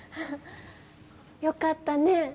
よかったね。